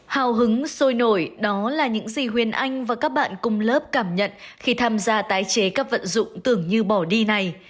hào hứng sôi nổi đó là những gì huyền anh và các bạn cùng lớp cảm nhận khi tham gia tái chế các vận dụng tưởng như bỏ đi này